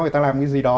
người ta làm cái gì đó